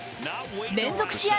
連続試合